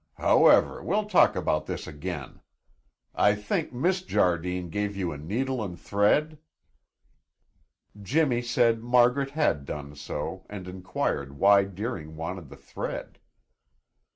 However, we'll talk about this again. I think Miss Jardine gave you a needle and thread?" Jimmy said Margaret had done so and inquired why Deering wanted the thread.